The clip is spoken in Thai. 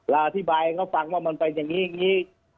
เราอธิบายเขาฟังว่ามันเป็นอย่างนี้